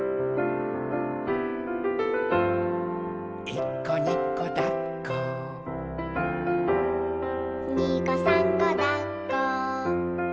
「いっこにこだっこ」「にこさんこだっこ」